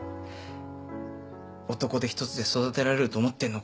「男手一つで育てられると思ってんのか」